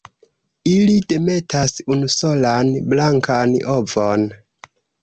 Ili demetas unusolan blankan ovon.